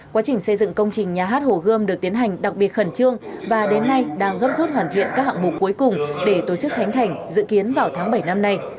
quá trình xây dựng công trình nhà hát hồ gươm được tiến hành đặc biệt khẩn trương và đến nay đang gấp rút hoàn thiện các hạng mục cuối cùng để tổ chức khánh thành dự kiến vào tháng bảy năm nay